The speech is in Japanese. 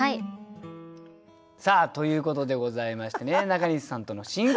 さあということでございましてね中西さんとの新コーナー。